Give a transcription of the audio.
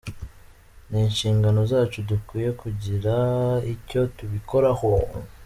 Ni inshingano zacu dukwiye kugira icyo tubikoraho.